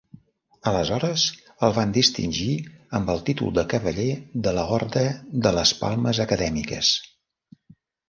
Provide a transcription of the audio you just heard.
Aleshores el van distingir amb el títol de Cavaller de l'Orde de les Palmes Acadèmiques.